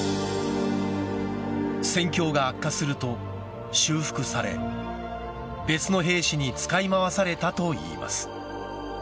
戦況が悪化すると修復され別の兵士に使い回されたといいます。